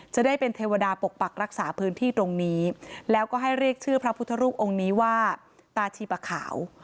จะได้เป็นเทวดาปกปักรักษาพื้นที่ตรงนี้แล้วก็ให้เรียกชื่อพระพุทธรูปองค์นี้ว่าตาชีปะขาว